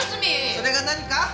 それが何か？